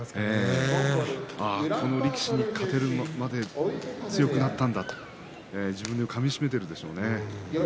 この力士に勝てるまで強くなったんだと自分でかみしめているでしょうね。